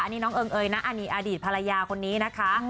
นี่น้องเอิงเอยนะอันนี้อดีตภรรยาคนนี้นะคะ